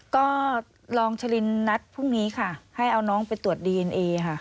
ก็รองชะลินนัดพรุ่งนี้ค่ะให้เอาน้องไปตรวจดีเอ็นเอค่ะ